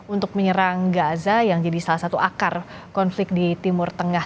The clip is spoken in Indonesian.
untuk menyerang gaza yang jadi salah satu akar konflik di timur tengah